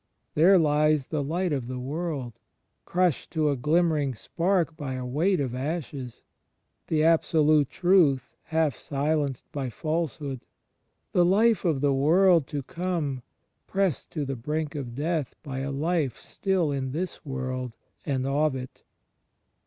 There lies the Light of the World, crushed to a glimmering spark by a weight of ashes; the Abso lute Truth, half silenced by Falsehood; the Life of the World to come pressed to the brink of death by a life still in this world, and of it.